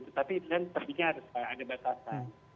tapi itu kan sepinya harus ada batasan